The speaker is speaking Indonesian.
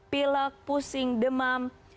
pilek pusing demam